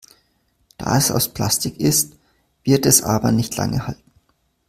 Da es aus Plastik ist, wird es aber nicht lange halten.